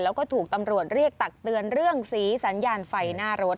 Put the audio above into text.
แล้วก็ถูกตำรวจเรียกตักเตือนเรื่องสีสัญญาณไฟหน้ารถ